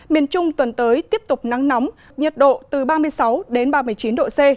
miền trung tuần tới tiếp tục nắng nóng nhiệt độ từ ba mươi sáu đến ba mươi chín độ c